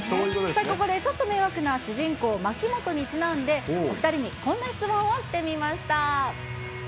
さあ、ここでちょっと迷惑な主人公、牧本にちなんで、お２人に、こんな質問をしてみました。